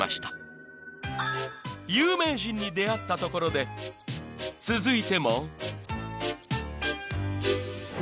［有名人に出会ったところで続いても］